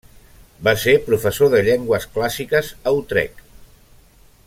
Va ser professor de llengües clàssiques a Utrecht.